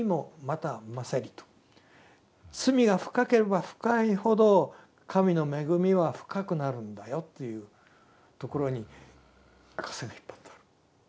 罪が深ければ深いほど神の恵みは深くなるんだよというところに赤線が引っ張ってある。